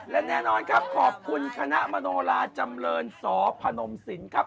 และแน่นอนครับขอบคุณคณะมโนลาจำเรินสพนมสินครับ